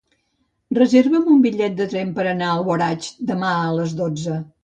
Reserva'm un bitllet de tren per anar a Alboraig demà a les dotze.